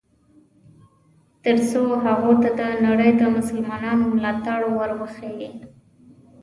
ترڅو هغوی ته د نړۍ د مسلمانانو ملاتړ ور وښیي.